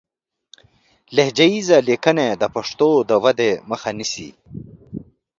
لهجه ييزې ليکنې د پښتو د ودې مخه نيسي